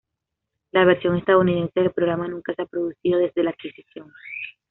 La versión estadounidense del programa nunca se ha producido desde la adquisición.